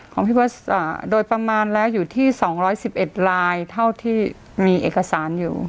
ของพี่ว่าโดยประมาณแล้วอยู่ที่สองร้อยสิบเอ็ดลายเท่าที่มีเอกสารอยู่